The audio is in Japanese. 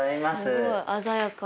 すごい鮮やかな。